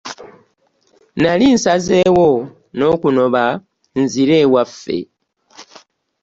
Nnali nsazeewo n'okunoba nzire ewaffe.